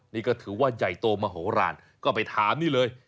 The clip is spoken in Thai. นี่ก็ถือว่าใหญ่โตมโหลานก็ไปถามนี่เลย